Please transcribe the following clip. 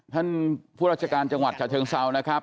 ท่านผู้ราชการจังหวัดฉะเชิงเซานะครับ